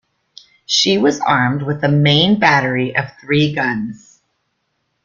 She was armed with a main battery of three guns.